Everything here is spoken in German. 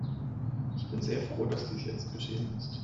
Ich bin sehr froh, dass dies jetzt geschehen ist.